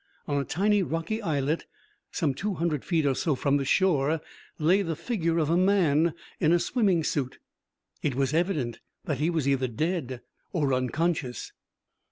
On a tiny rocky islet some two hundred feet or so from the shore lay the figure of a man in a swimming suit. It was evident that he was either dead or unconscious.